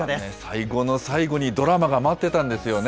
最後の最後にドラマが待ってたんですよね。